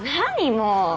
もう！